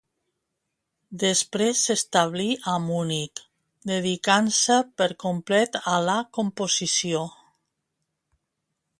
Després s'establí a Munic dedicant-se per complet a la composició.